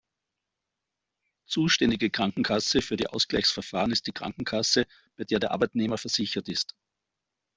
Zuständige Krankenkasse für die Ausgleichsverfahren ist die Krankenkasse, bei der der Arbeitnehmer versichert ist.